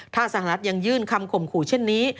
ถ้าสหรัฐยังยื่นคำข่มขู่เช่นนี้